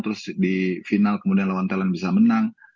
terus di final kemudian lawan thailand bisa menang